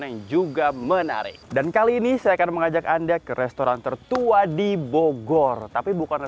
yang juga menarik dan kali ini saya akan mengajak anda ke restoran tertua di bogor tapi bukan